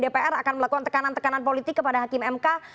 dpr akan melakukan tekanan tekanan politik kepada hakim mk